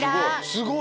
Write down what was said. すごい！